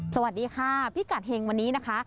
สวัสดีค่ะพิกัดเฮงวันนี้นะคะ